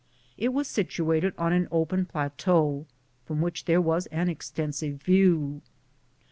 It was situated on an open plateau, from which there was an extensive view.